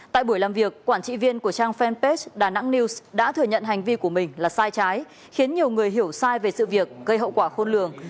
tại buổi làm việc quản trị viên của trang fanpage đà nẵng news đã thừa nhận hành vi của mình là sai trái khiến nhiều người hiểu sai về sự việc gây hậu quả khôn lường